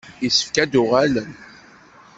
Yessefk ad d-tuɣalem.